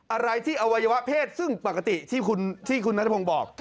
อะไรที่อวัยวะเพศซึ่งปกติที่คุณนัทพงศ์บอก